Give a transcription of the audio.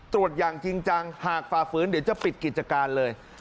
ตรวจอย่างจริงจังหากฝ่าฝืนเดี๋ยวจะปิดกิจการเลย